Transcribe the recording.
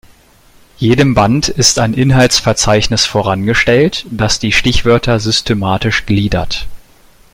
Jedem Band ist ein Inhaltsverzeichnis vorangestellt, das die Stichwörter systematisch gliedert.